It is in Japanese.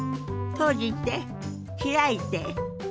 閉じて開いて。